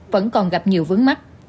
vẫn còn gặp nhiều vấn mắc